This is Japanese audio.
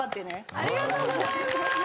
ありがとうございます。